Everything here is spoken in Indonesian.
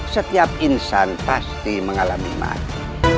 setiap insan pasti mengalami mati